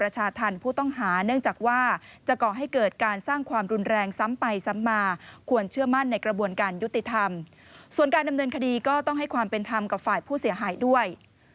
ส่วนการดำเนินคดีก็ต้องให้ความเป็นธรรมกับฝ่ายผู้เสียหายด้วย